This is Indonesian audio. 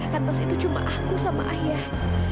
padahal tos itu cuma aku sama ayah